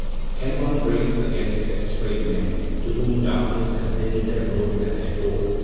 "Can one raise against estrayed men, to whom darkness has hidden their road and their door?"